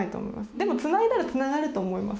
でもつないだらつながると思います。